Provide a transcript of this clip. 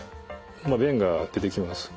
まあ便が出てきます。